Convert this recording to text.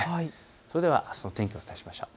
それではあすの天気、お伝えしましょう。